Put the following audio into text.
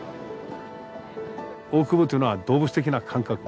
大久保というのは動物的な感覚。